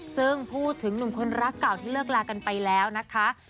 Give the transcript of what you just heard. ซึ่งพูดถึงหนุ่มคนรักเก่าที่เลิกลากันไปแล้วนะคะ